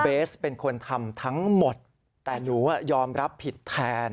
สเป็นคนทำทั้งหมดแต่หนูยอมรับผิดแทน